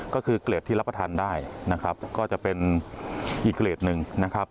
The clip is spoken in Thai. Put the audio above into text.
ก็คือเกรดที่รับประทานได้นะครับก็จะเป็นอีกเกรดหนึ่งนะครับ